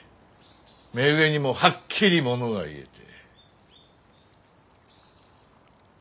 目上にもはっきり物が言えて。